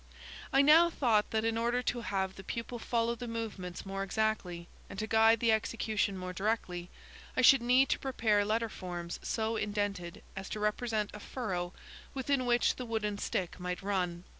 I now thought that in order to have the pupil follow the movements more exactly, and to guide the execution more directly, I should need to prepare letter forms so indented, as to represent a furrow within which the wooden stick might run.